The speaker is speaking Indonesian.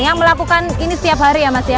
yang melakukan ini setiap hari ya mas ya